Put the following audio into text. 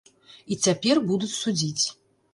І цяпер будуць судзіць.